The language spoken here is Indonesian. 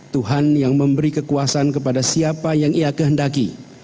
tuhan yang memberi kekuasaan kepada siapa yang ia kehendaki